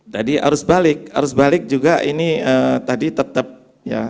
tadi arus balik arus balik juga ini tadi tetap ya